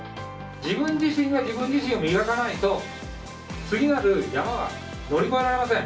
自分自身が自分自身を磨かないと、次なる山は乗り越えられません。